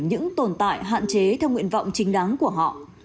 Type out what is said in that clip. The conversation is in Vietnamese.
những tồn tại hạn chế theo nguyện vọng chính đáng của họ